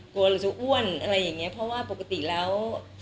กลัวเราจะอ้วนอะไรอย่างเงี้ยเพราะว่าปกติแล้ว